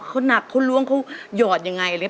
เขานักเขาล้วงเขาหยอดอย่างไร